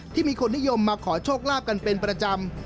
มีคนนิยมมาขอโชคลาภกันเป็นประจำ